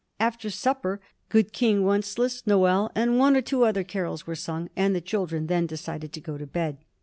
After supper "Good King Wencelas," "Noël," and one or two other carols were sung, and the children then decided to go to bed.